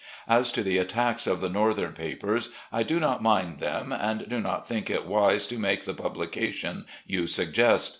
As to the attacks of the Northern papers, I do not mind them, and do not think it wise to make the publication you suggest.